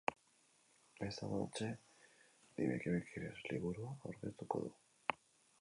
Esta noche dime que me quieres liburua aurkeztuko du.